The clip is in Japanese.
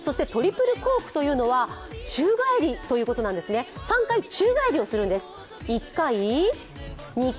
トリプルコークというのは宙返りということなんですね、３回宙返りをするんです。